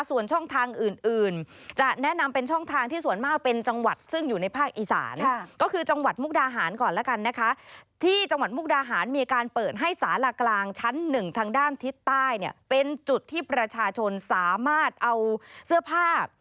ส่วนช่องทางอื่นอื่นจะแนะนำเป็นช่องทางที่ส่วนมากเป็นจังหวัดซึ่งอยู่ในภาคอีสานก็คือจังหวัดมุกดาหารก่อนแล้วกันนะคะที่จังหวัดมุกดาหารมีการเปิดให้สาลากลางชั้นหนึ่งทางด้านทิศใต้เนี่ยเป็นจุดที่ประชาชนสามารถเอาเสื้อผ้า